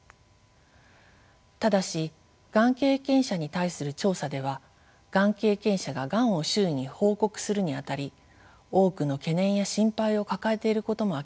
ただしがん経験者に対する調査ではがん経験者ががんを周囲に報告するにあたり多くの懸念や心配を抱えていることも明らかになっています。